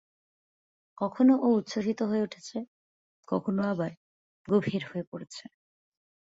কখনো ও উচ্ছসিত হয়ে উঠছে, কখনো আবার গভীর হয়ে পড়ছে।